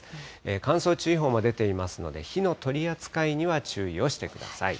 乾燥注意報も出ていますので、火の取り扱いには注意をしてください。